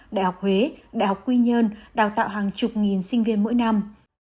đại học huế đại học quy nhơn đào tạo hàng chục nghìn sinh viên mỗi năm